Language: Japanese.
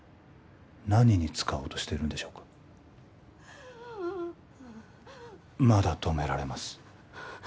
何に使おうとしてるんでしょうかまだ止められます